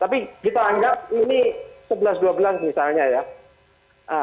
tapi kita anggap ini sebelas dua belas misalnya ya